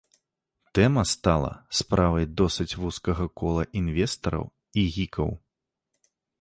Тэма стала справай досыць вузкага кола інвестараў і гікаў.